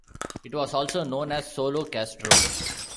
It was also known as Solo Castro.